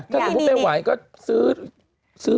ถ้าเกิดพูดเป็นไหวก็ซื้อ